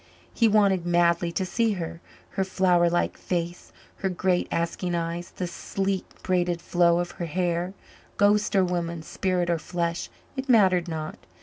He wanted madly to see her her flower like face, her great, asking eyes, the sleek, braided flow of her hair. Ghost or woman spirit or flesh it mattered not.